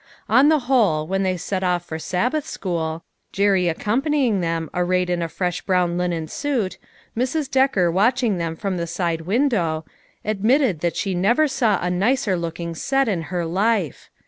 On the whole, when they set off for Sabbath school, Jerry accompanying them, arrayed in a fresh brown linen suit, Mrs. Decker watching them from the side window, admitted that she never saw a nicer looking set in her life